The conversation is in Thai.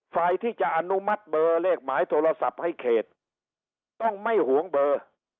ฝ่ายที่จะอนุมัติเบอร์เลขหมายโทรศัพท์ให้เขตต้องไม่หวงเบอร์